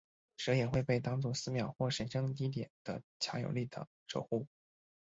蛇也会被当做寺庙或者神圣地点的强有力的守护。